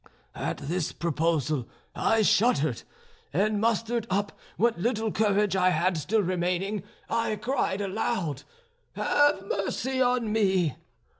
At this proposal I shuddered, and mustering up what little courage I had still remaining I cried out aloud, 'Have mercy on me!'